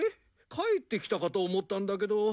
帰ってきたかと思ったんだけど。